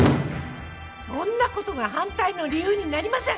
そんな事は反対の理由になりません！